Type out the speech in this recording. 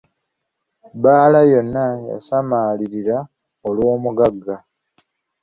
Bbaala yonna yasamalirira olw'omugagga.